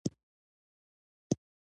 بلشویکانو یو پیاوړی مرکزي دولت جوړ کړی و